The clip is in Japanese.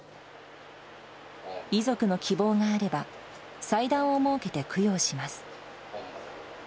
遺族の希望があれば、祭壇を設けて供養します。